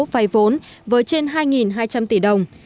vay vốn với trên hai hai trăm linh tỷ đồng